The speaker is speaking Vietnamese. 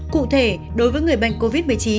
cụ thể đối với người bệnh covid một mươi chín